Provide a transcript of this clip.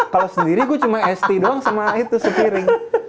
kalau sendiri gue cuma st doang sama itu sepiring